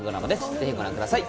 ぜひご覧ください。